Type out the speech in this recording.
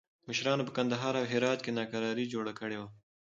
مشرانو په کندهار او هرات کې ناکراري جوړه کړې وه.